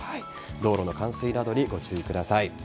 道路の冠水などにご注意ください。